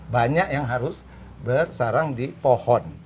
banyak yang harus bersarang di pohon